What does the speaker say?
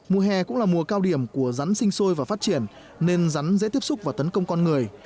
mùa hè cũng là mùa cao điểm của rắn sinh sôi và phát triển nên rắn dễ tiếp xúc và tấn công con người